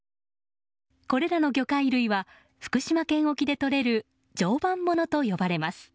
これらの魚介類は福島県沖でとれる常磐ものと呼ばれます。